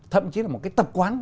thậm chí là một cái tập quán